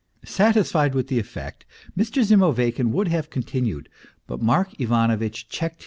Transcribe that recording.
Satisfied with the effect, Mr. Zimoveykin would have con tinued, but Mark Ivanovitch checked hi.